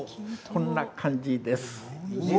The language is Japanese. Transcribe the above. こんな感じですね。